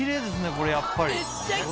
これやっぱり。